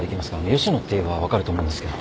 吉野って言えば分かると思うんですけど。